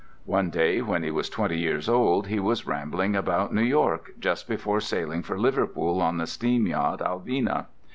One day when he was twenty years old he was rambling about New York just before sailing for Liverpool on the steam yacht Alvina.